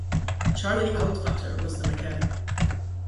Charlie Altfater was the mechanic.